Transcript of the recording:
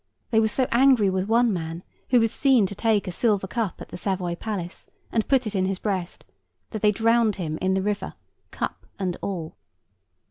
They were so angry with one man, who was seen to take a silver cup at the Savoy Palace, and put it in his breast, that they drowned him in the river, cup and all.